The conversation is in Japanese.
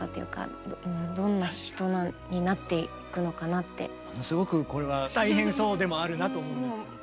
なんかすごくものすごくこれは大変そうでもあるなと思うんですけど。